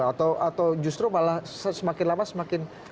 atau justru malah semakin lama semakin